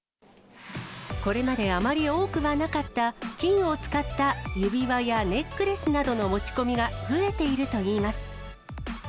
これまであまり多くはなかった、金を使った指輪やネックレスなどの持ち込みが増えているといいます。